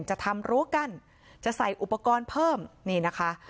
จะทำรั้วกั้นจะใส่อุปกรณ์เพิ่มนี่นะคะ